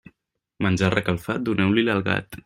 Menjar recalfat, doneu-li'l al gat.